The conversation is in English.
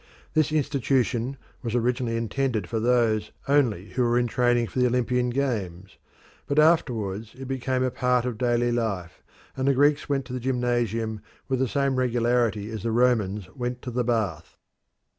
This institution was originally intended for those only who were in training for the Olympian Games, but afterwards it became a part of daily life, and the Greeks went to the gymnasium with the same regularity as the Romans went to the bath.